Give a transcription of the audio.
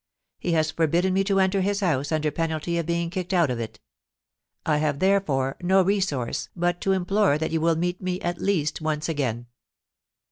He has forbidden me to enter his house under penalty of being kicked out of it. I have, therefore, no resource but to implore that you will meet me at least once again.